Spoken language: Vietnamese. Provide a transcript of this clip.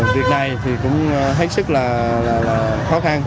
việc này thì cũng hết sức là khó khăn